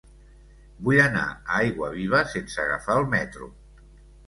Vull anar a Aiguaviva sense agafar el metro.